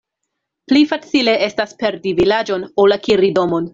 Pli facile estas perdi vilaĝon, ol akiri domon.